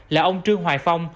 là ông trương hoài phong